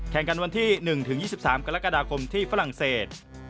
แข่งกันวันที่๑๒๓กรกฎาคมที่ฝรั่งเศส